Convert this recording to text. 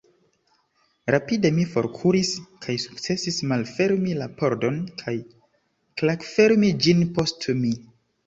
Rapide mi forkuris kaj sukcesis malfermi la pordon kaj klakfermi ĝin post mi.